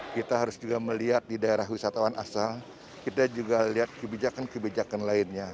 kita harus juga melihat di daerah wisatawan asal kita juga lihat kebijakan kebijakan lainnya